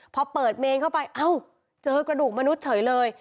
พอเปิดเมนเข้าไปเอ้าเจอกระดูกมนุษย์เฉยเลย